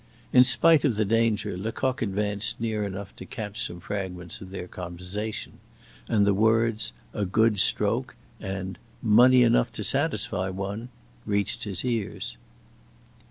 In spite of the danger, Lecoq advanced near enough to catch some fragments of their conversation; and the words "a good stroke," and "money enough to satisfy one," reached his ears.